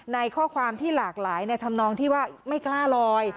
ในข้อความที่หลากหลายในธรรมนองที่ว่าไม่กล้าลอย